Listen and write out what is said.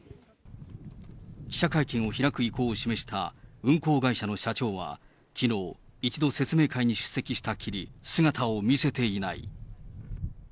記者会見を開く意向を示した運航会社の社長は、きのう、一度説明会に出席したきり、姿を見せていない。